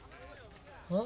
あ。